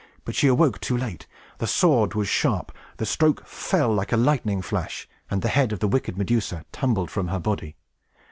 But she awoke too late. The sword was sharp; the stroke fell like a lightning flash; and the head of the wicked Medusa tumbled from her body!